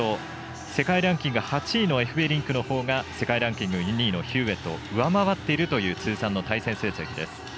世界ランキング８位のエフベリンクのほうが世界ランキング２位のヒューウェットを上回っているという通算の対戦成績です。